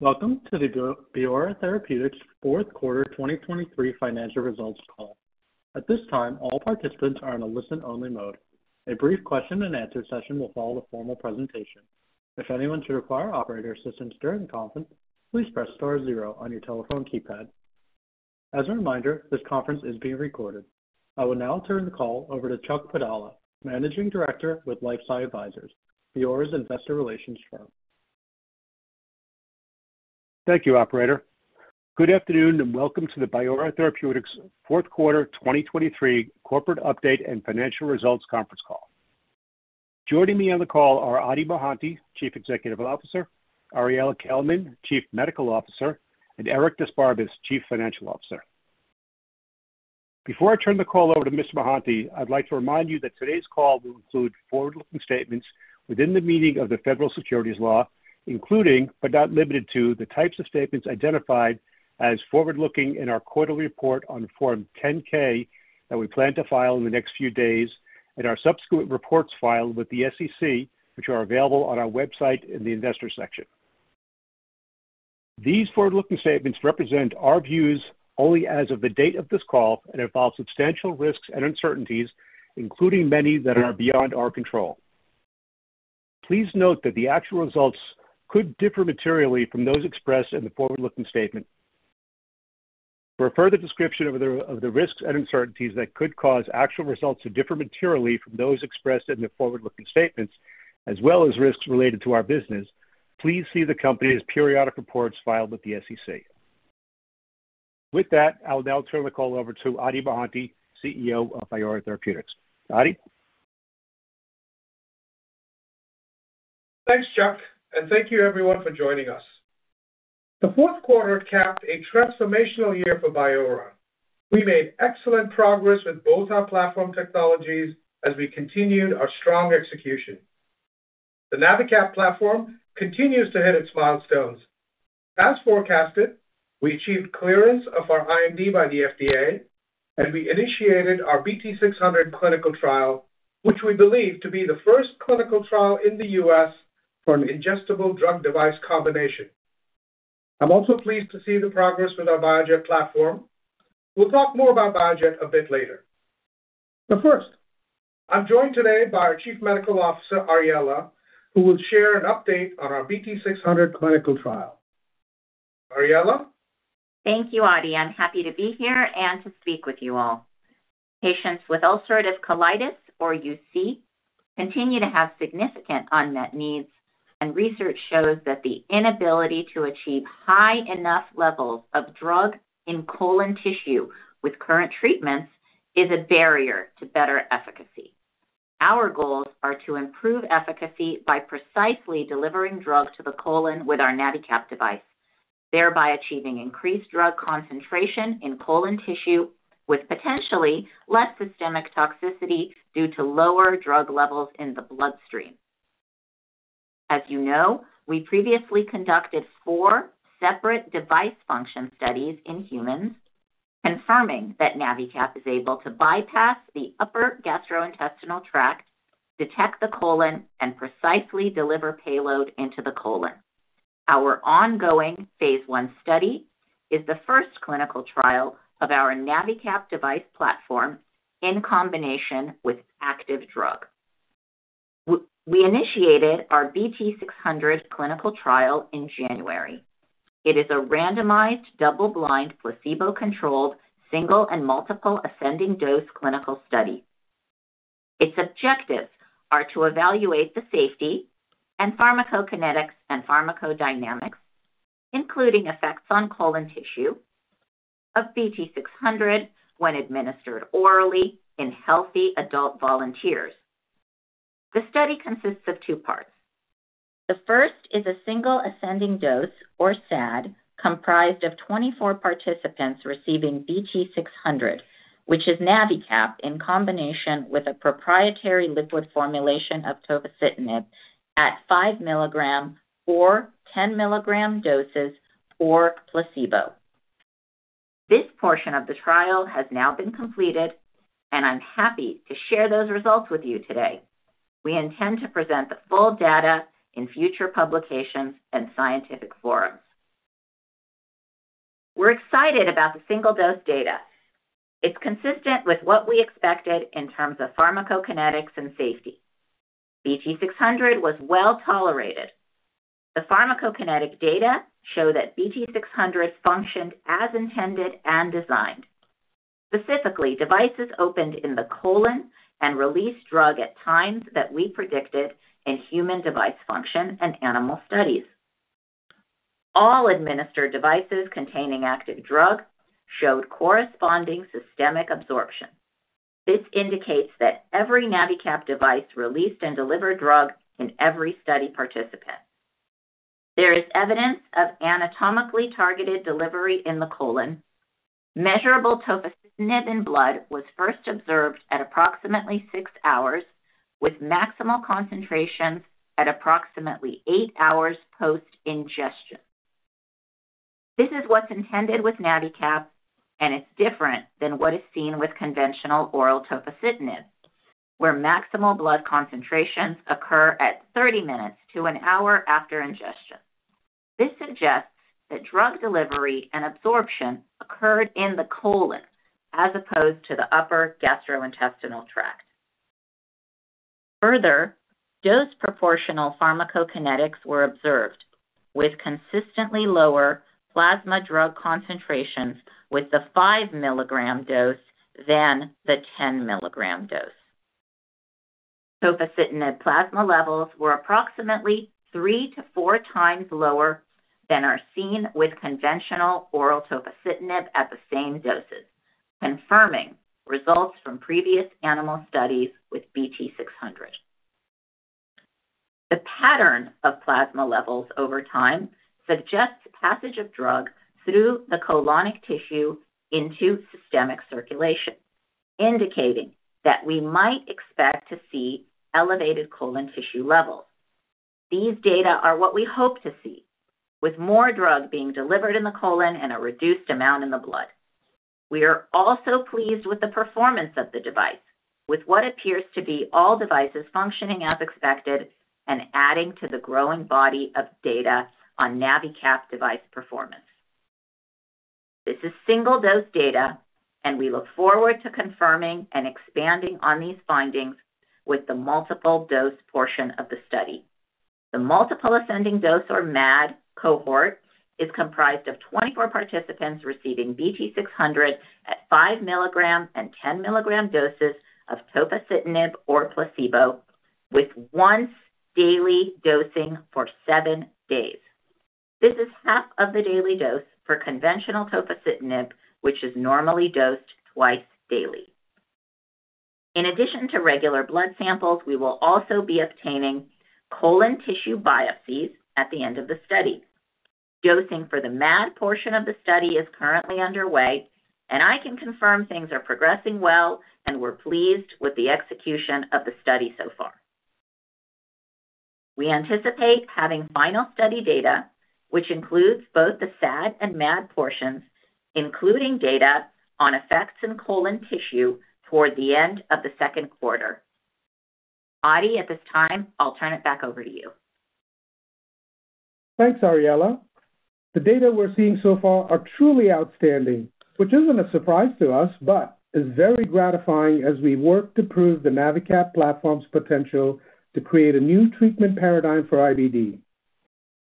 Welcome to the Biora Therapeutics Fourth Quarter 2023 Financial Results Call. At this time, all participants are in a listen-only mode. A brief question-and-answer session will follow the formal presentation. If anyone should require operator assistance during the conference, please press star zero on your telephone keypad. As a reminder, this conference is being recorded. I will now turn the call over to Chuck Padala, Managing Director with LifeSci Advisors, Biora's investor relations firm. Thank you, operator. Good afternoon and welcome to the Biora Therapeutics Fourth Quarter 2023 Corporate Update and Financial Results Conference Call. Joining me on the call are Adi Mohanty, Chief Executive Officer, Ariella Kelman, Chief Medical Officer, and Eric d'Esparbes, Chief Financial Officer. Before I turn the call over to Mr. Mohanty, I'd like to remind you that today's call will include forward-looking statements within the meaning of the federal securities law, including but not limited to the types of statements identified as forward-looking in our quarterly report on Form 10-K that we plan to file in the next few days and our subsequent reports filed with the SEC, which are available on our website in the investor section. These forward-looking statements represent our views only as of the date of this call and involve substantial risks and uncertainties, including many that are beyond our control. Please note that the actual results could differ materially from those expressed in the forward-looking statement. For a further description of the risks and uncertainties that could cause actual results to differ materially from those expressed in the forward-looking statements, as well as risks related to our business, please see the company's periodic reports filed with the SEC. With that, I will now turn the call over to Adi Mohanty, CEO of Biora Therapeutics. Adi? Thanks, Chuck, and thank you, everyone, for joining us. The fourth quarter capped a transformational year for Biora. We made excellent progress with both our platform technologies as we continued our strong execution. The NaviCap platform continues to hit its milestones. As forecasted, we achieved clearance of our IND by the FDA, and we initiated our BT600 clinical trial, which we believe to be the first clinical trial in the U.S. for an ingestible drug-device combination. I'm also pleased to see the progress with our BioJet platform. We'll talk more about BioJet a bit later. But first, I'm joined today by our Chief Medical Officer, Ariella, who will share an update on our BT600 clinical trial. Ariella? Thank you, Adi. I'm happy to be here and to speak with you all. Patients with ulcerative colitis, or UC, continue to have significant unmet needs, and research shows that the inability to achieve high enough levels of drug in colon tissue with current treatments is a barrier to better efficacy. Our goals are to improve efficacy by precisely delivering drug to the colon with our NaviCap device, thereby achieving increased drug concentration in colon tissue with potentially less systemic toxicity due to lower drug levels in the bloodstream. As you know, we previously conducted four separate device function studies in humans, confirming that NaviCap is able to bypass the upper gastrointestinal tract, detect the colon, and precisely deliver payload into the colon. Our ongoing Phase 1 study is the first clinical trial of our NaviCap device platform in combination with active drug. We initiated our BT600 clinical trial in January. It is a randomized, double-blind, placebo-controlled, single and multiple ascending dose clinical study. Its objectives are to evaluate the safety and pharmacokinetics and pharmacodynamics, including effects on colon tissue, of BT600 when administered orally in healthy adult volunteers. The study consists of two parts. The first is a single ascending dose, or SAD, comprised of 24 participants receiving BT600, which is NaviCap in combination with a proprietary liquid formulation of tofacitinib at 5 milligram or 10 milligram doses or placebo. This portion of the trial has now been completed, and I'm happy to share those results with you today. We intend to present the full data in future publications and scientific forums. We're excited about the single dose data. It's consistent with what we expected in terms of pharmacokinetics and safety. BT600 was well tolerated. The pharmacokinetic data show that BT600 functioned as intended and designed. Specifically, devices opened in the colon and released drug at times that we predicted in human device function and animal studies. All administered devices containing active drug showed corresponding systemic absorption. This indicates that every NaviCap device released and delivered drug in every study participant. There is evidence of anatomically targeted delivery in the colon. Measurable tofacitinib in blood was first observed at approximately 6 hours, with maximal concentrations at approximately 8 hours post-ingestion. This is what's intended with NaviCap, and it's different than what is seen with conventional oral tofacitinib, where maximal blood concentrations occur at 30 minutes to 1 hour after ingestion. This suggests that drug delivery and absorption occurred in the colon as opposed to the upper gastrointestinal tract. Further, dose-proportional pharmacokinetics were observed, with consistently lower plasma drug concentrations with the 5 milligram dose than the 10 milligram dose. Tofacitinib plasma levels were approximately 3-4 times lower than are seen with conventional oral tofacitinib at the same doses, confirming results from previous animal studies with BT600. The pattern of plasma levels over time suggests passage of drug through the colonic tissue into systemic circulation, indicating that we might expect to see elevated colon tissue levels. These data are what we hope to see, with more drug being delivered in the colon and a reduced amount in the blood. We are also pleased with the performance of the device, with what appears to be all devices functioning as expected and adding to the growing body of data on NaviCap device performance. This is single dose data, and we look forward to confirming and expanding on these findings with the multiple dose portion of the study. The multiple ascending dose, or MAD, cohort is comprised of 24 participants receiving BT600 at 5 milligram and 10 milligram doses of tofacitinib or placebo, with once daily dosing for 7 days. This is half of the daily dose for conventional tofacitinib, which is normally dosed twice daily. In addition to regular blood samples, we will also be obtaining colon tissue biopsies at the end of the study. Dosing for the MAD portion of the study is currently underway, and I can confirm things are progressing well, and we're pleased with the execution of the study so far. We anticipate having final study data, which includes both the SAD and MAD portions, including data on effects in colon tissue toward the end of the second quarter. Adi, at this time, I'll turn it back over to you. Thanks, Ariella. The data we're seeing so far are truly outstanding, which isn't a surprise to us but is very gratifying as we work to prove the NaviCap platform's potential to create a new treatment paradigm for IBD.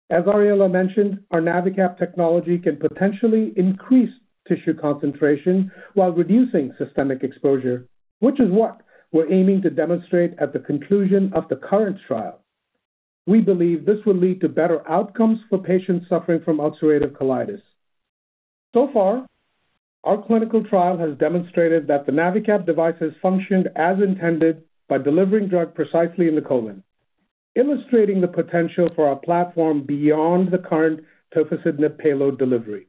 As Ariella mentioned, our NaviCap technology can potentially increase tissue concentration while reducing systemic exposure, which is what we're aiming to demonstrate at the conclusion of the current trial. We believe this will lead to better outcomes for patients suffering from ulcerative colitis. So far, our clinical trial has demonstrated that the NaviCap devices functioned as intended by delivering drug precisely in the colon, illustrating the potential for our platform beyond the current tofacitinib payload delivery.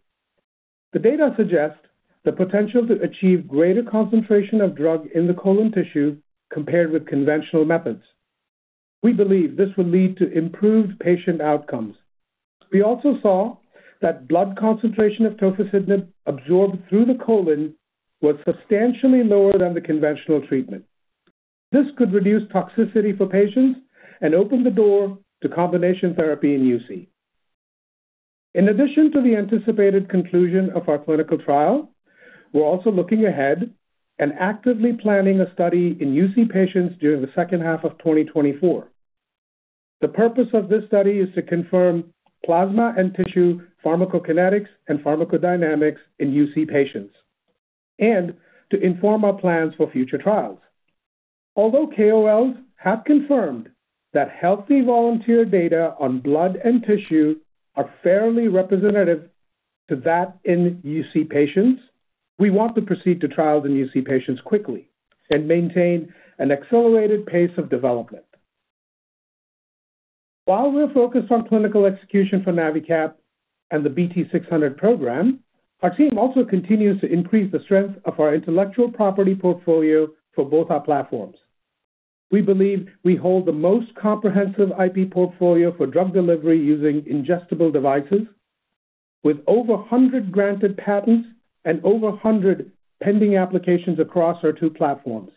The data suggest the potential to achieve greater concentration of drug in the colon tissue compared with conventional methods. We believe this will lead to improved patient outcomes. We also saw that blood concentration of tofacitinib absorbed through the colon was substantially lower than the conventional treatment. This could reduce toxicity for patients and open the door to combination therapy in UC. In addition to the anticipated conclusion of our clinical trial, we're also looking ahead and actively planning a study in UC patients during the second half of 2024. The purpose of this study is to confirm plasma and tissue pharmacokinetics and pharmacodynamics in UC patients and to inform our plans for future trials. Although KOLs have confirmed that healthy volunteer data on blood and tissue are fairly representative to that in UC patients, we want to proceed to trials in UC patients quickly and maintain an accelerated pace of development. While we're focused on clinical execution for NaviCap and the BT600 program, our team also continues to increase the strength of our intellectual property portfolio for both our platforms. We believe we hold the most comprehensive IP portfolio for drug delivery using ingestible devices, with over 100 granted patents and over 100 pending applications across our two platforms.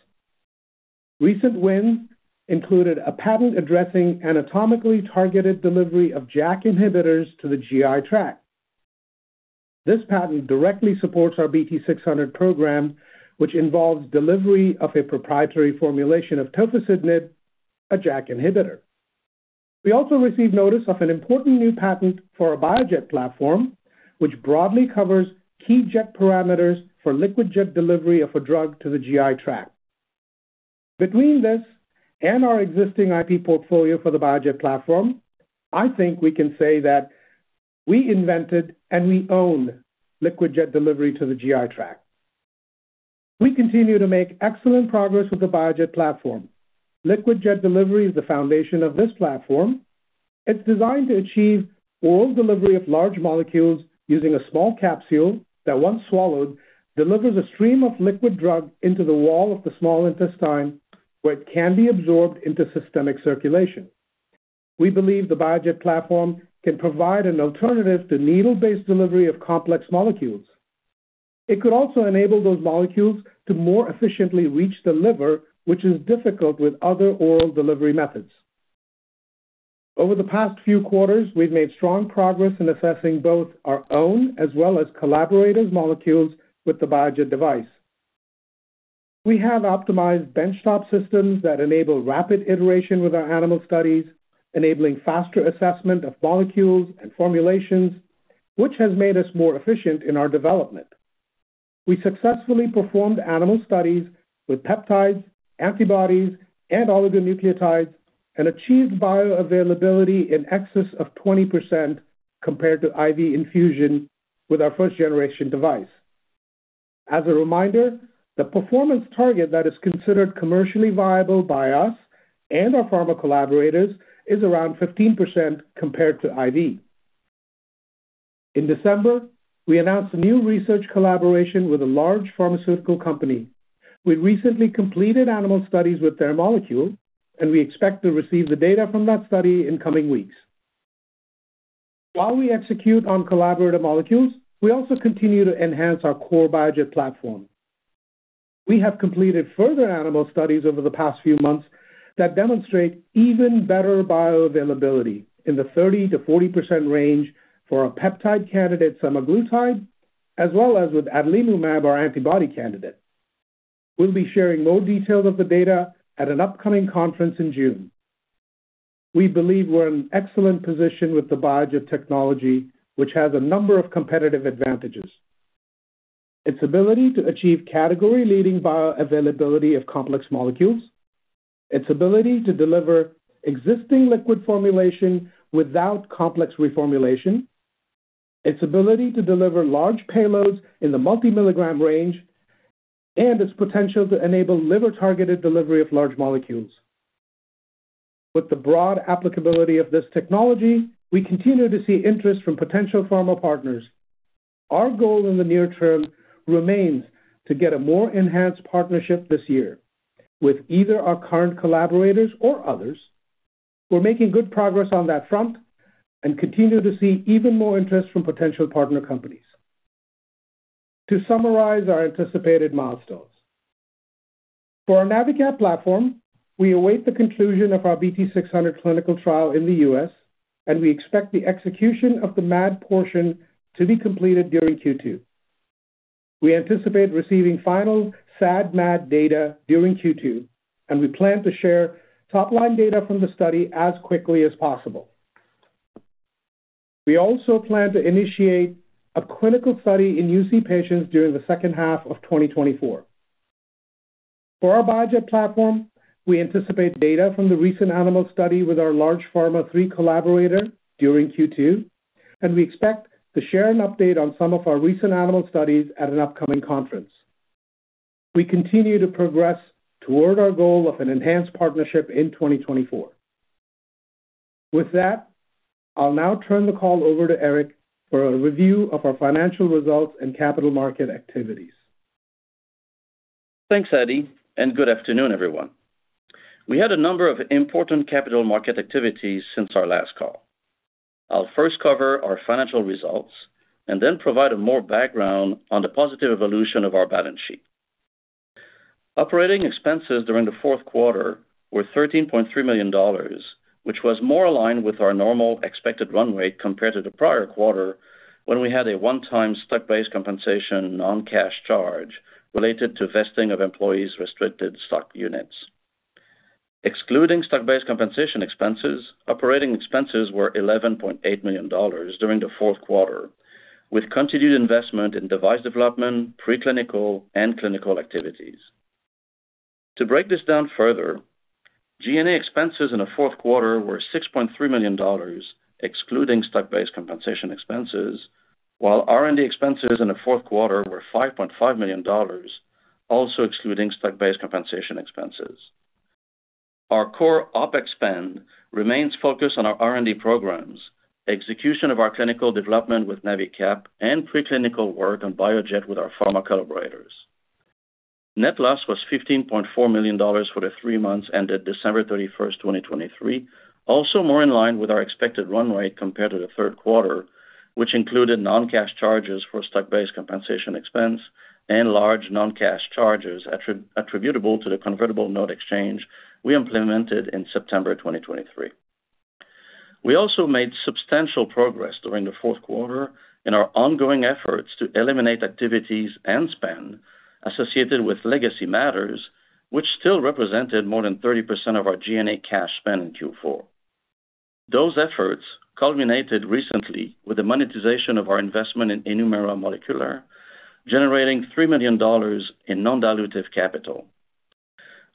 Recent wins included a patent addressing anatomically targeted delivery of JAK inhibitors to the GI tract. This patent directly supports our BT600 program, which involves delivery of a proprietary formulation of tofacitinib, a JAK inhibitor. We also received notice of an important new patent for our BioJet platform, which broadly covers key JAK parameters for liquid JAK delivery of a drug to the GI tract. Between this and our existing IP portfolio for the BioJet platform, I think we can say that we invented and we own liquid JAK delivery to the GI tract. We continue to make excellent progress with the BioJet platform. Liquid JAK delivery is the foundation of this platform. It's designed to achieve oral delivery of large molecules using a small capsule that, once swallowed, delivers a stream of liquid drug into the wall of the small intestine, where it can be absorbed into systemic circulation. We believe the BioJet platform can provide an alternative to needle-based delivery of complex molecules. It could also enable those molecules to more efficiently reach the liver, which is difficult with other oral delivery methods. Over the past few quarters, we've made strong progress in assessing both our own as well as collaborators' molecules with the BioJet device. We have optimized bench top systems that enable rapid iteration with our animal studies, enabling faster assessment of molecules and formulations, which has made us more efficient in our development. We successfully performed animal studies with peptides, antibodies, and oligonucleotides and achieved bioavailability in excess of 20% compared to IV infusion with our first-generation device. As a reminder, the performance target that is considered commercially viable by us and our pharma collaborators is around 15% compared to IV. In December, we announced a new research collaboration with a large pharmaceutical company. We recently completed animal studies with their molecule, and we expect to receive the data from that study in coming weeks. While we execute on collaborative molecules, we also continue to enhance our core BioJet platform. We have completed further animal studies over the past few months that demonstrate even better bioavailability in the 30%-40% range for our peptide candidate, semaglutide, as well as with adalimumab, our antibody candidate. We'll be sharing more details of the data at an upcoming conference in June. We believe we're in an excellent position with the BioJet technology, which has a number of competitive advantages: its ability to achieve category-leading bioavailability of complex molecules, its ability to deliver existing liquid formulation without complex reformulation, its ability to deliver large payloads in the multi-milligram range, and its potential to enable liver-targeted delivery of large molecules. With the broad applicability of this technology, we continue to see interest from potential pharma partners. Our goal in the near term remains to get a more enhanced partnership this year with either our current collaborators or others. We're making good progress on that front and continue to see even more interest from potential partner companies. To summarize our anticipated milestones, for our NaviCap platform, we await the conclusion of our BT600 clinical trial in the U.S., and we expect the execution of the MAD portion to be completed during Q2. We anticipate receiving final SAD/MAD data during Q2, and we plan to share top-line data from the study as quickly as possible. We also plan to initiate a clinical study in UC patients during the second half of 2024. For our BioJet platform, we anticipate data from the recent animal study with our Large Pharma 3 collaborator during Q2, and we expect to share an update on some of our recent animal studies at an upcoming conference. We continue to progress toward our goal of an enhanced partnership in 2024. With that, I'll now turn the call over to Eric for a review of our financial results and capital market activities. Thanks, Adi, and good afternoon, everyone. We had a number of important capital market activities since our last call. I'll first cover our financial results and then provide more background on the positive evolution of our balance sheet. Operating expenses during the fourth quarter were $13.3 million, which was more aligned with our normal expected run rate compared to the prior quarter when we had a one-time stock-based compensation non-cash charge related to vesting of employees' restricted stock units. Excluding stock-based compensation expenses, operating expenses were $11.8 million during the fourth quarter, with continued investment in device development, preclinical, and clinical activities. To break this down further, G&A expenses in the fourth quarter were $6.3 million excluding stock-based compensation expenses, while R&D expenses in the fourth quarter were $5.5 million, also excluding stock-based compensation expenses. Our core OPEX spend remains focused on our R&D programs, execution of our clinical development with NaviCap, and preclinical work on BioJet with our pharma collaborators. Net loss was $15.4 million for the three months ended December 31st, 2023, also more in line with our expected run rate compared to the third quarter, which included non-cash charges for stock-based compensation expense and large non-cash charges attributable to the convertible note exchange we implemented in September 2023. We also made substantial progress during the fourth quarter in our ongoing efforts to eliminate activities and spend associated with legacy matters, which still represented more than 30% of our G&A cash spend in Q4. Those efforts culminated recently with the monetization of our investment in Enumera Molecular, generating $3 million in non-dilutive capital.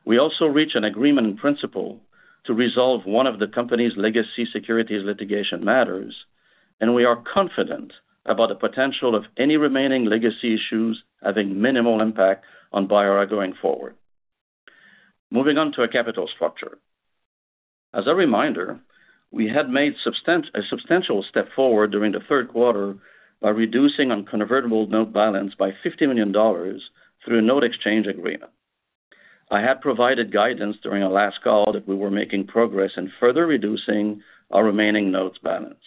We also reached an agreement in principle to resolve one of the company's legacy securities litigation matters, and we are confident about the potential of any remaining legacy issues having minimal impact on Biora going forward. Moving on to our capital structure, as a reminder, we had made a substantial step forward during the third quarter by reducing our convertible note balance by $50 million through a note exchange agreement. I had provided guidance during our last call that we were making progress in further reducing our remaining notes balance.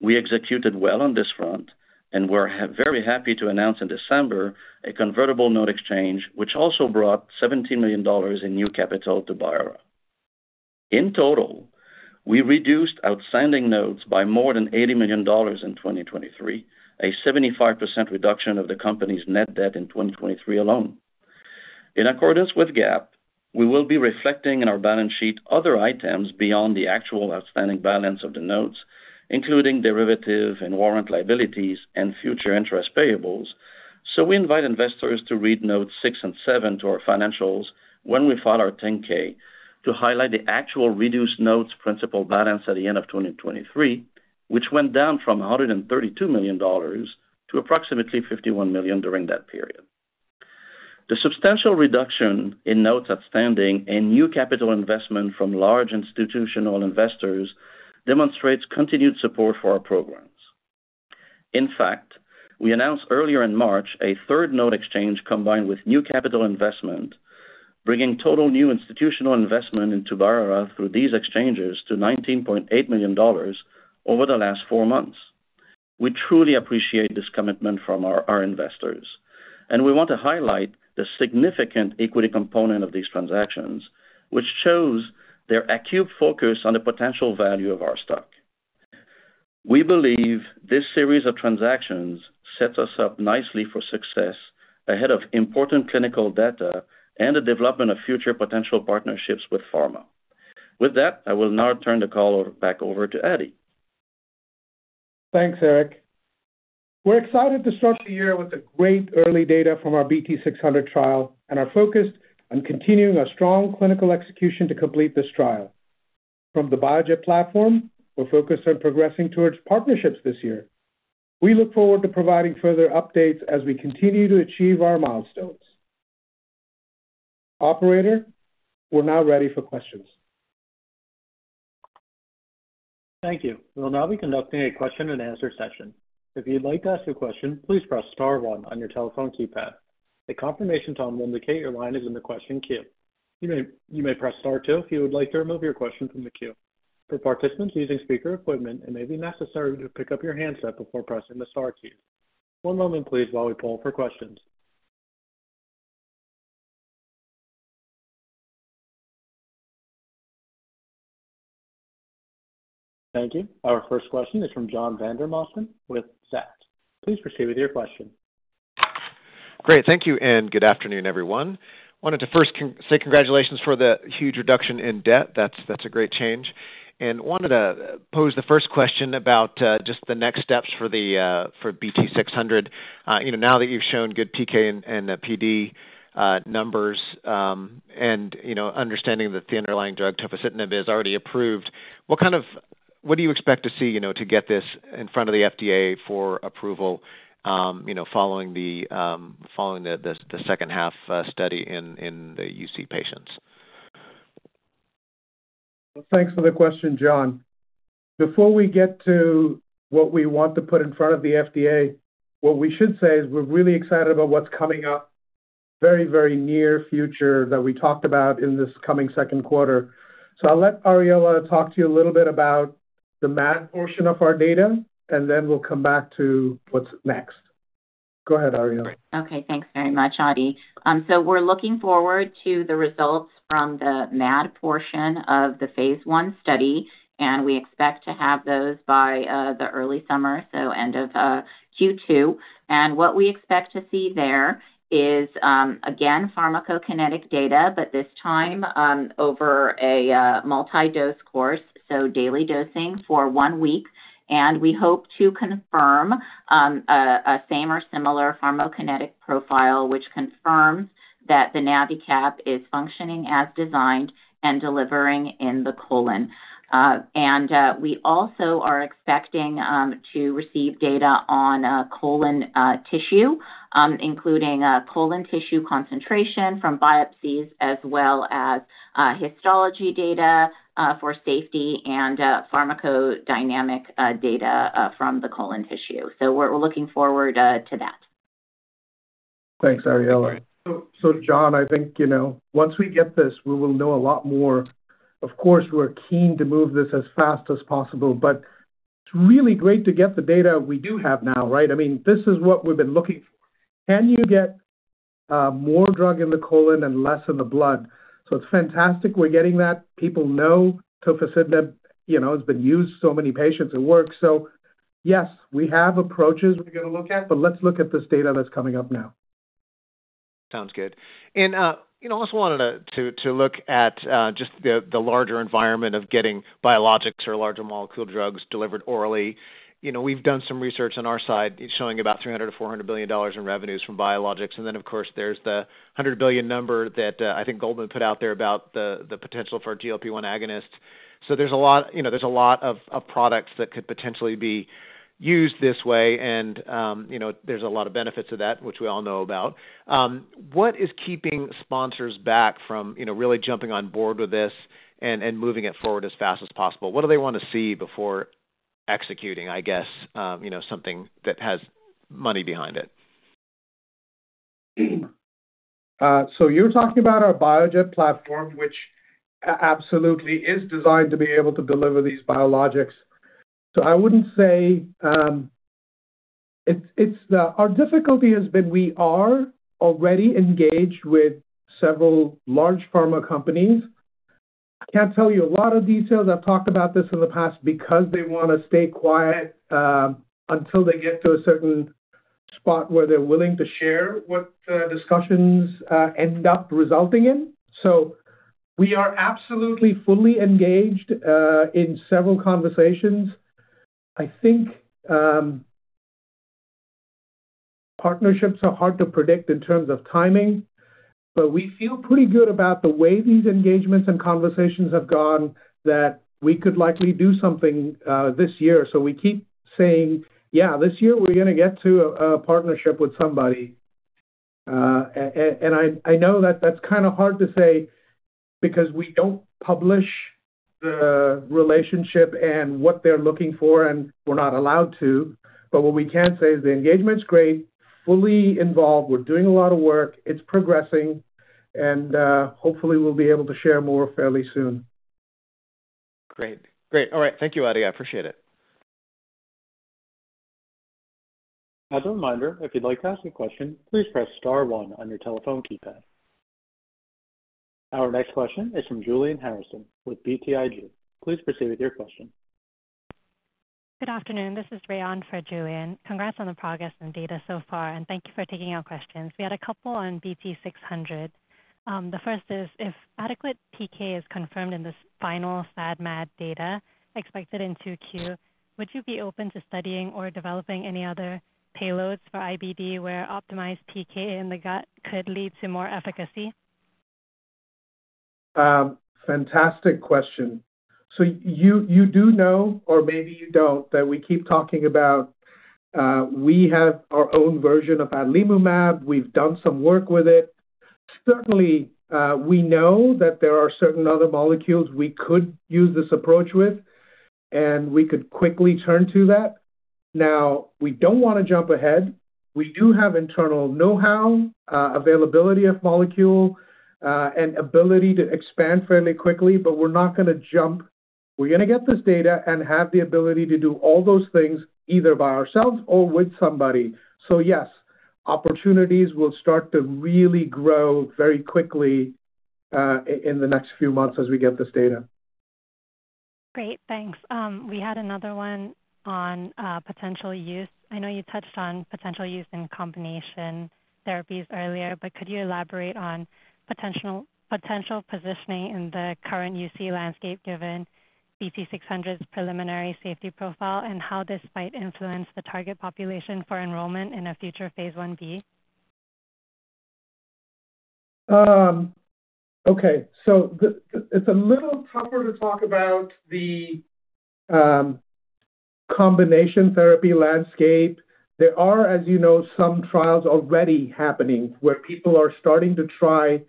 We executed well on this front and were very happy to announce in December a convertible note exchange, which also brought $17 million in new capital to Biora. In total, we reduced outstanding notes by more than $80 million in 2023, a 75% reduction of the company's net debt in 2023 alone. In accordance with GAAP, we will be reflecting in our balance sheet other items beyond the actual outstanding balance of the notes, including derivative and warrant liabilities and future interest payables. So we invite investors to read notes six and seven to our financials when we file our 10-K to highlight the actual reduced notes principal balance at the end of 2023, which went down from $132 million to approximately $51 million during that period. The substantial reduction in notes outstanding and new capital investment from large institutional investors demonstrates continued support for our programs. In fact, we announced earlier in March a third note exchange combined with new capital investment, bringing total new institutional investment into Biora through these exchanges to $19.8 million over the last four months. We truly appreciate this commitment from our investors, and we want to highlight the significant equity component of these transactions, which shows their acute focus on the potential value of our stock. We believe this series of transactions sets us up nicely for success ahead of important clinical data and the development of future potential partnerships with pharma. With that, I will now turn the call back over to Adi. Thanks, Eric. We're excited to start the year with the great early data from our BT600 trial and are focused on continuing our strong clinical execution to complete this trial. From the BioJet platform, we're focused on progressing towards partnerships this year. We look forward to providing further updates as we continue to achieve our milestones. Operator, we're now ready for questions. Thank you. We'll now be conducting a question and answer session. If you'd like to ask a question, please press star one on your telephone keypad. The confirmation tone will indicate your line is in the question queue. You may press star two if you would like to remove your question from the queue. For participants using speaker equipment, it may be necessary to pick up your handset before pressing the star keys. One moment, please, while we pull for questions. Thank you. Our first question is from John Vandermosten with Zacks Small-Cap Research. Please proceed with your question. Great. Thank you and good afternoon, everyone. Wanted to first say congratulations for the huge reduction in debt. That's a great change. Wanted to pose the first question about just the next steps for BT600. Now that you've shown good PK and PD numbers and understanding that the underlying drug, tofacitinib, is already approved, what do you expect to see to get this in front of the FDA for approval following the second-half study in the UC patients? Well, thanks for the question, John. Before we get to what we want to put in front of the FDA, what we should say is we're really excited about what's coming up, very, very near future that we talked about in this coming second quarter. So I'll let Ariella talk to you a little bit about the MAD portion of our data, and then we'll come back to what's next. Go ahead, Ariella. Okay. Thanks very much, Adi. So we're looking forward to the results from the MAD portion of the Phase 1 study, and we expect to have those by the early summer, so end of Q2. And what we expect to see there is, again, pharmacokinetic data, but this time over a multi-dose course, so daily dosing for one week. And we hope to confirm a same or similar pharmacokinetic profile, which confirms that the NaviCap is functioning as designed and delivering in the colon. And we also are expecting to receive data on colon tissue, including colon tissue concentration from biopsies as well as histology data for safety and pharmacodynamic data from the colon tissue. So we're looking forward to that. Thanks, Ariella. So, John, I think once we get this, we will know a lot more. Of course, we're keen to move this as fast as possible, but it's really great to get the data we do have now, right? I mean, this is what we've been looking for. Can you get more drug in the colon and less in the blood? So it's fantastic we're getting that. People know tofacitinib has been used in so many patients. It works. So yes, we have approaches we're going to look at, but let's look at this data that's coming up now. Sounds good. I also wanted to look at just the larger environment of getting biologics or larger molecule drugs delivered orally. We've done some research on our side showing about $300 billion-$400 billion in revenues from biologics. And then, of course, there's the $100 billion number that I think Goldman put out there about the potential for GLP-1 agonists. So there's a lot of products that could potentially be used this way, and there's a lot of benefits to that, which we all know about. What is keeping sponsors back from really jumping on board with this and moving it forward as fast as possible? What do they want to see before executing, I guess, something that has money behind it? So you're talking about our BioJet platform, which absolutely is designed to be able to deliver these biologics. So I wouldn't say our difficulty has been; we are already engaged with several large pharma companies. I can't tell you a lot of details. I've talked about this in the past because they want to stay quiet until they get to a certain spot where they're willing to share what discussions end up resulting in. So we are absolutely fully engaged in several conversations. I think partnerships are hard to predict in terms of timing, but we feel pretty good about the way these engagements and conversations have gone that we could likely do something this year. So we keep saying, "Yeah, this year we're going to get to a partnership with somebody." And I know that that's kind of hard to say because we don't publish the relationship and what they're looking for, and we're not allowed to. But what we can say is the engagement's great, fully involved, we're doing a lot of work, it's progressing, and hopefully we'll be able to share more fairly soon. Great. Great. All right. Thank you, Adi. I appreciate it. As a reminder, if you'd like to ask a question, please press star one on your telephone keypad. Our next question is from Julian Harrison with BTIG. Please proceed with your question. Good afternoon. This is Raon for Julian. Congrats on the progress and data so far, and thank you for taking our questions. We had a couple on BT600. The first is, if adequate PK is confirmed in this final SAD-MAD data expected in 2Q, would you be open to studying or developing any other payloads for IBD where optimized PK in the gut could lead to more efficacy? Fantastic question. So you do know, or maybe you don't, that we keep talking about we have our own version of adalimumab. We've done some work with it. Certainly, we know that there are certain other molecules we could use this approach with, and we could quickly turn to that. Now, we don't want to jump ahead. We do have internal know-how, availability of molecule, and ability to expand fairly quickly, but we're not going to jump. We're going to get this data and have the ability to do all those things either by ourselves or with somebody. So yes, opportunities will start to really grow very quickly in the next few months as we get this data. Great. Thanks. We had another one on potential use. I know you touched on potential use in combination therapies earlier, but could you elaborate on potential positioning in the current UC landscape given BT600's preliminary safety profile and how this might influence the target population for enrollment in a future Phase 1b? Okay. It's a little tougher to talk about the combination therapy landscape. There are, as you know, some trials already happening where people are starting to try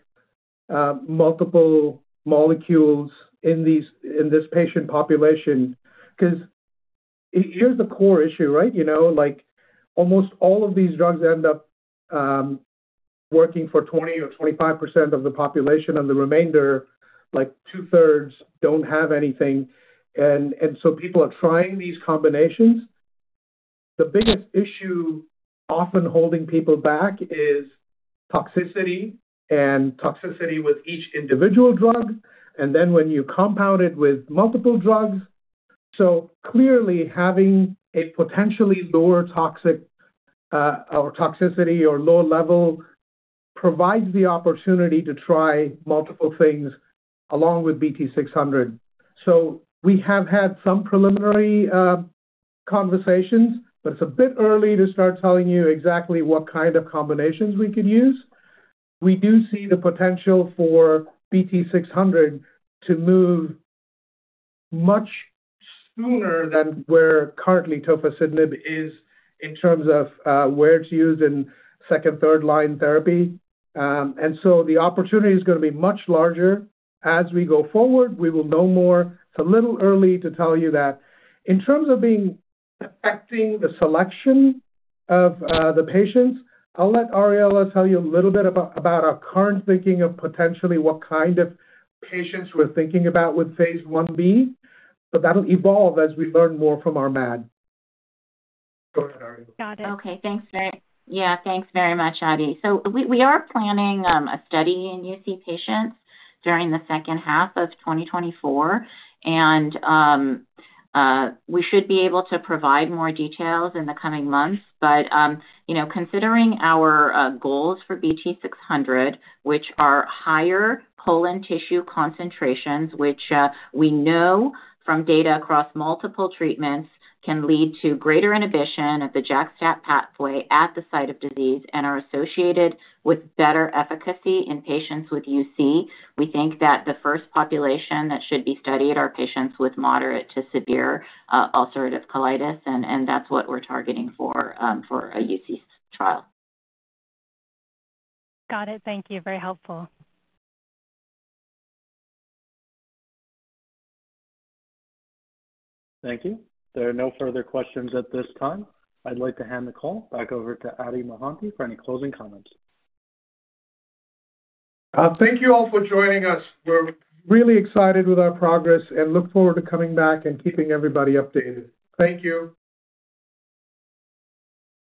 multiple molecules in this patient population because here's the core issue, right? Almost all of these drugs end up working for 20% or 25% of the population, and the remainder, like two-thirds, don't have anything. And so people are trying these combinations. The biggest issue often holding people back is toxicity and toxicity with each individual drug, and then when you compound it with multiple drugs. So clearly, having a potentially lower toxicity or low level provides the opportunity to try multiple things along with BT600. So we have had some preliminary conversations, but it's a bit early to start telling you exactly what kind of combinations we could use. We do see the potential for BT600 to move much sooner than where currently tofacitinib is in terms of where it's used in second, third line therapy. So the opportunity is going to be much larger as we go forward. We will know more. It's a little early to tell you that. In terms of affecting the selection of the patients, I'll let Ariella tell you a little bit about our current thinking of potentially what kind of patients we're thinking about with Phase 1b, but that'll evolve as we learn more from our MAD. Go ahead, Ariella. Got it. Okay. Thanks, Eric. Yeah, thanks very much, Adi. So we are planning a study in UC patients during the second half of 2024, and we should be able to provide more details in the coming months. But considering our goals for BT600, which are higher colon tissue concentrations, which we know from data across multiple treatments can lead to greater inhibition of the JAK-STAT pathway at the site of disease and are associated with better efficacy in patients with UC, we think that the first population that should be studied are patients with moderate to severe ulcerative colitis, and that's what we're targeting for a UC trial. Got it. Thank you. Very helpful. Thank you. There are no further questions at this time. I'd like to hand the call back over to Adi Mohanty for any closing comments. Thank you all for joining us. We're really excited with our progress and look forward to coming back and keeping everybody updated. Thank you.